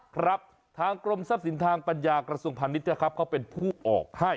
ครับทางกรมทรัพย์สินทางปัญญากระทรวงพาณิชย์นะครับเขาเป็นผู้ออกให้